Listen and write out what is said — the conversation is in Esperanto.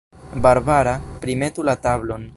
Barbara, primetu la tablon.